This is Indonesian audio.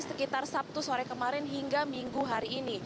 sekitar sabtu sore kemarin hingga minggu hari ini